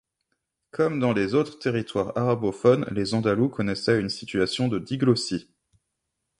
Comme dans les autres territoires arabophones, les andalous connaissaient une situation de diglossie.